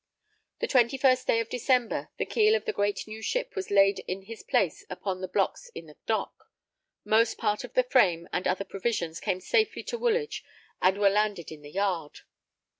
The 21st day of December, the keel of the great new ship was laid in his place upon the blocks in the dock; most part of the frame and other provisions came safely to Woolwich and were landed in the Yard.